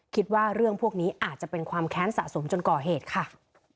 คิดว่าเรื่องพวกนี้อาจจะเป็นความแค้นสะสมจนก่อเหตุค่ะ